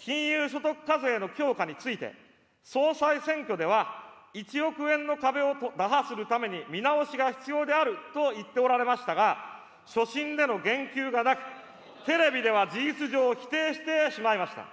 金融所得課税の強化について、総裁選挙では１億円の壁を打破するために見直しが必要であると言っておられましたが、所信での言及がなく、テレビでは事実上、否定してしまいました。